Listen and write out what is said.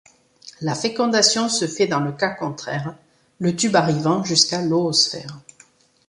La fécondation se fait dans le cas contraire, le tube arrivant jusqu’à l’oosphère.